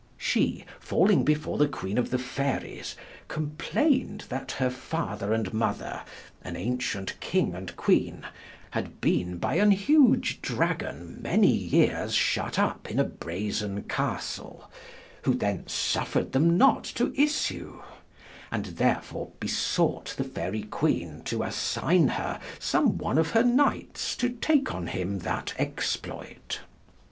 Shee, falling before the Queene of Faeries, complayned that her father and mother, an ancient king and queene, had bene by an huge dragon many years shut up in a brasen castle, who thence suffred them not to yssew: and therefore besought the Faery Queene to assygne her some one of her knights to take on him that exployt.